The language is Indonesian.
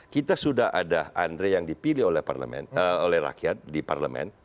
kita sudah ada andre yang dipilih oleh rakyat di parlemen